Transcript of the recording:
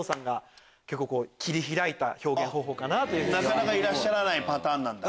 なかなかいらっしゃらないパターンなんだ。